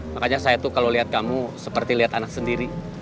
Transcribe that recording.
makanya saya tuh kalau lihat kamu seperti lihat anak sendiri